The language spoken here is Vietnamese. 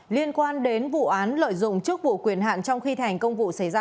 liên quan đến vụ án lợi dụng chức vụ quyền hạn trong khi thành công vụ xảy ra